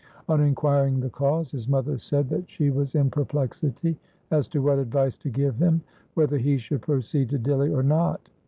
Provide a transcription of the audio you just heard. On inquiring the cause, his mother said that she was in perplexity as to what advice to give him, whether he should proceed to Dihli or not.